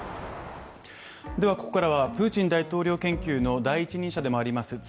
ここからはプーチン大統領研究の第一人者でもあります